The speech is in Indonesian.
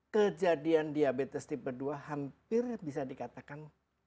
kejadian diabetes tipe dua hampir bisa dikatakan